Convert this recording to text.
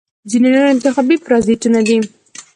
ځینې نور انتخابي پرازیتونه دي.